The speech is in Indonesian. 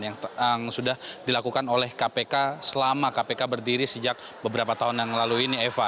yang sudah dilakukan oleh kpk selama kpk berdiri sejak beberapa tahun yang lalu ini eva